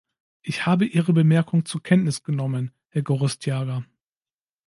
Ich habe Ihre Bemerkung zur Kenntnis genommen, Herr Gorostiaga.